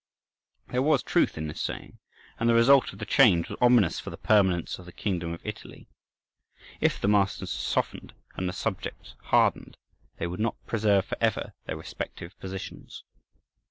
There was truth in this saying, and the result of the change was ominous for the permanence of the kingdom of Italy. If the masters softened and the subjects hardened, they would not preserve for ever their respective positions.